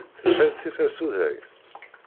Tesɛiḍ tiferṣuday?